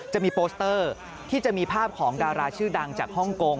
จะมีโปสเตอร์ที่จะมีภาพของดาราชื่อดังจากฮ่องกง